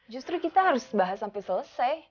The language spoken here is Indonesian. justru kita harus bahas sampai selesai